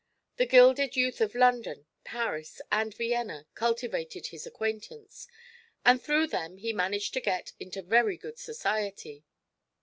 The gilded youth of London, Paris and Vienna cultivated his acquaintance, and through them he managed to get into very good society.